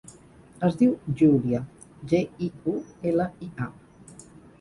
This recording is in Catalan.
Es diu Giulia: ge, i, u, ela, i, a.